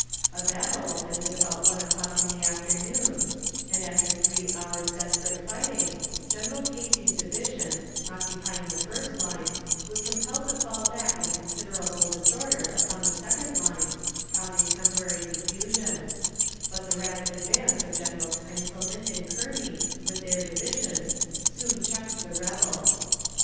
A battle opened at about one o'clock in the afternoon, and after three hours' desperate fighting, General Casey's division, occupying the first line, was compelled to fall back in considerable disorder upon the second line, causing temporary confusion; but the rapid advance of Generals Heintzelman and Kearney with their divisions soon checked the rebels.